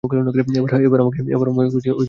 এবার আমাকে নিচে নামাও!